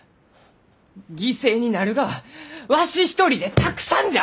犠牲になるがはわし一人でたくさんじゃ！